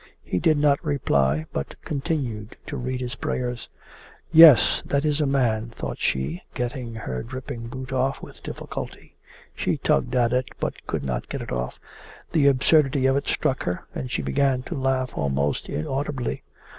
He did not reply, but continued to read his prayers. 'Yes, that is a man!' thought she, getting her dripping boot off with difficulty. She tugged at it, but could not get it off. The absurdity of it struck her and she began to laugh almost inaudibly.